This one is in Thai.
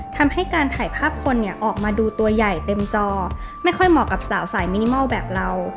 ทำให้การถ่ายภาพคนเนี่ยออกมาดูตัวใหญ่เต็มจอไม่ค่อยเหมาะกับสาวสายมินิมอลแบบเรา